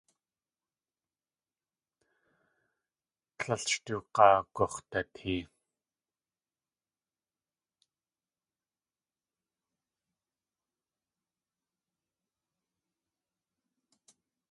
Tlél sh tóog̲aa gux̲datee.